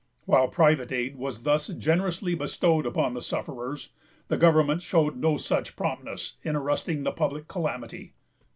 While private aid was thus generously bestowed upon the sufferers, the government showed no such promptness in arresting the public calamity.